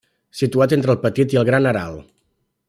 Situat entre el Petit i el Gran Aral.